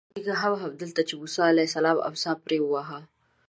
هغه تېږه هم همدلته ده چې موسی علیه السلام امسا پرې ووهله.